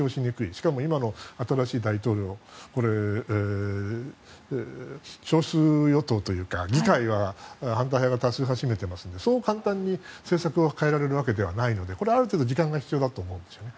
しかも今の新しい大統領は少数与党というか議会は反対派が多数派を占めていますのでそう簡単に政策を変えられるわけではないのでこれはある程度時間が必要だと思うんですね。